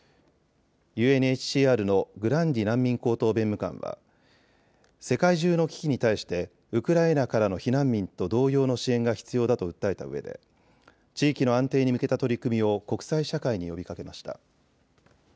ＵＮＨＣＲのグランディ難民高等弁務官は世界中の危機に対してウクライナからの避難民と同様の支援が必要だと訴えたうえで地域の安定に向けた取り組みを国際社会に呼びかけました。